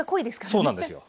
そうなんですよ。